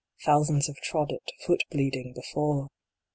Thousands have trod it, foot bleeding, before